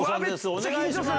お願いします。